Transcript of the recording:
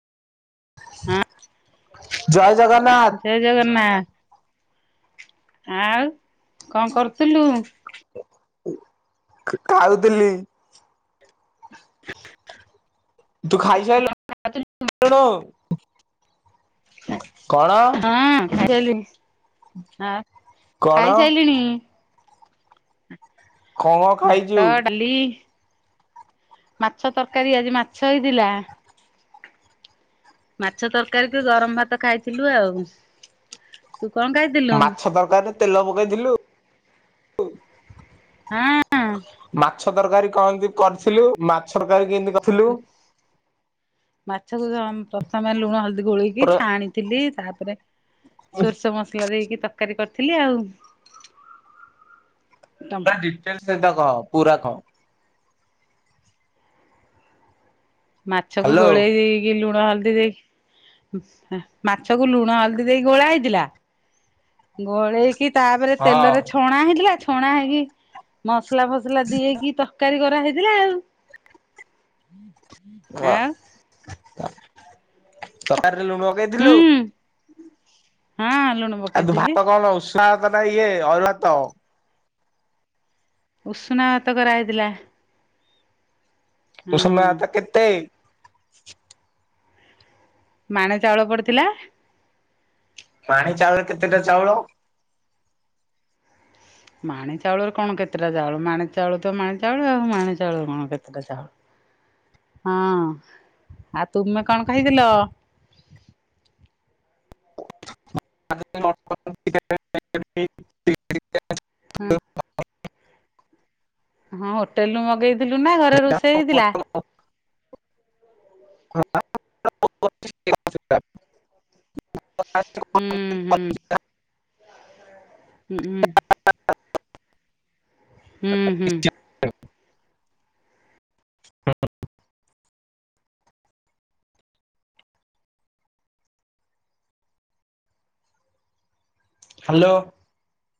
ହଁ, ଜୟ ଜଗନ୍ନାଥ ଜୟ ଜଗନ୍ନାଥ। ଆଉ କଣ କରୁଥିଲୁ? ଖାାଉଥିଲି। ତୁ ଖାଇସାଇ ଲୁଣ? ହଁ କ ହ ଆଉ? କଣ ଖାଇସାଇଲିଣି। କଣ ଖାଇଛୁ? ଭାତ ଡାଲି। ମାଛ ତରକାରୀ ଆଜି ମାଛ ହେଇଥିଲା। ମାଛ ତରକାରୀକୁ ଗରମ ଭାତ ଖାଇଥିଲୁ ଆଉ। ତୁ କଣ ଖାଇଥିଲୁ? ମାଛ ଦରକାର ନା ତେଲ ପକେଇଥିଲୁ? ହଁ। ମାଛ ତରକାରୀ କଅନ୍ତି କରିଥିଲୁ ମାଛ ତରକାରୀ କେମିତି କରିଥିଲୁ? ମାଛକୁ ପ୍ରଥମେ ଲୁଣ ହଲ ଗୋଳଇକି ପୁରା ଛାଣିଥିଲି ତାପରେ ସୋରଷ ମସଲା ଦେଇକି ତରକାରୀ କରିଥିଲି ଆଉ। ପ ଡିଟେଲ ସେଟା କହ ପୁରା କହ। ମାଛକୁ ହ୍ୟାଲୋ ଗୋଳେଇ ଦେଇକି ଲୁଣ ହେଲା। ହଦ ଦେଇ ମାଛକୁ ଲୁଣ ହଳଦୀ ଦେଇି ଗୋଳା ହେଇଥିଲା। ଗୋଳେଇକି ତାପରେ ହଁ। ତେଲରେ ଛଣା ହେଇଥିଲା ଛଣା ହେଇକି ମସ ମସଲା ଫସଲା ଦିଏକି ତରକାରୀ କରାହେଇଥିଲା ଆଉ। ଆଉ? ତକାରରେ ଲୁଣ ପକେଇଥିଲୁ ଆ? ହୁଁ ହଁ ଲୁଣ ପକେଇଥିଲି। ନାଇ ଅ ୟେ ଅରୁଆ ଭାତ। ଉଷୁନା ଭାତ କରାହେଇଥିଲା। ତ ହଁ ସମୟ ତ କେତେ? ମାଣ ଚାଉଳ ପଡିଥିଲା। ପାଣି ଚାଉଳ କେତେଟା ଚାଉଳ? ମାଣି ଚାଉଳରେ କଣ କେତେଟା ଚାଉଳ ମାଣି ଚାଉଳ ତ ମାଣି ଚାଉଳ ଆଉ ମାଣି ଚାଉଳରେ କଣ କେତେଟା ଚାଉଳ? [inaudible] ହଁ ଆଉ ତୁମେ କଣ କହିଥିଲ? [inaudible] [unintelligible] ହଁ ହଁ ହୋଟେଲ ରୁ ମଗେଇଥିଲୁ ନା ଘରେ ରୋଷେଇ ହେଇଥିଲା। [unintelligible] ହୁଁ ହୁଁ [unintelligible] ହୁଁ ହୁଁ। ହୁଁ ହୁଁ। [unintelligible] ହାଲୋ।